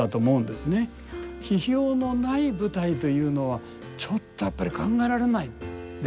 批評のない舞台というのはちょっとやっぱり考えられないですね